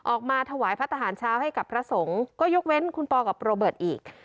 ออกมาถวายพระทหารเช้าให้กับพระสงฆ์ก็ยกเว้นคุณปอกับโรเบิร์ตอีก